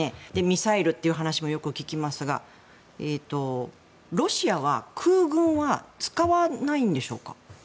ミサイルという話もよく聞きますがロシアは空軍は使わないんでしょうか？